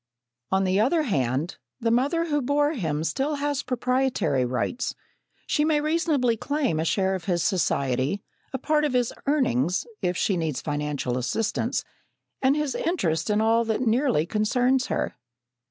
On the other hand, the mother who bore him still has proprietary rights. She may reasonably claim a share of his society, a part of his earnings, if she needs financial assistance, and his interest in all that nearly concerns her.